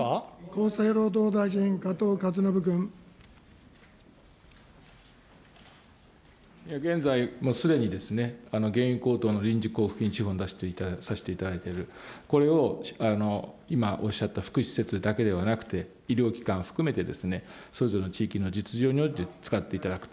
厚生労働大臣、現在すでに、原油高騰のを出していただいて、これを今おっしゃった福祉施設だけではなくて、医療機関含めて、それぞれの地域の実情において使っていただく。